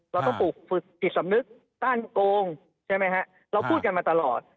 เราต้องปลูกฝึกจิตสำนึกต้านโกงใช่ไหมฮะเราพูดกันมาตลอด